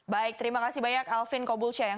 baik terima kasih banyak alvin kobulsyah